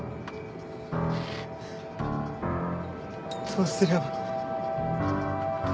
どうすれば。